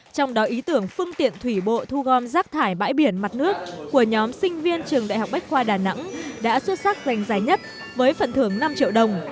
trong đó ý tưởng phương tiện thủy bộ thu gom rác thải bãi biển mặt nước của nhóm sinh viên trường đại học bách khoa đà nẵng đã xuất sắc giành giải nhất với phần thưởng năm triệu đồng